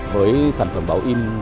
với sản phẩm báo in